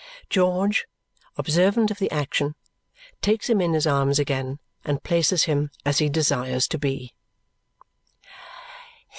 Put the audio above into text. George, observant of the action, takes him in his arms again and places him as he desires to be.